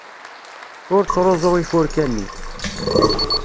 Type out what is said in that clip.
Ur ttruẓu ifurka-nni.